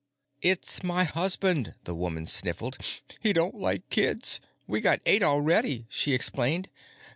"It's my husband," the woman sniffled. "He don't like kids. We got eight already," she explained.